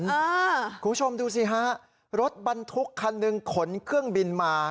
คุณผู้ชมดูสิฮะรถบรรทุกคันหนึ่งขนเครื่องบินมา